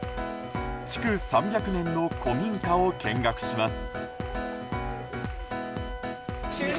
築３００年の古民家を見学します。